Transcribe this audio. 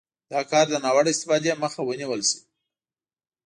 دا کار د ناوړه استفادې مخه ونیول شي.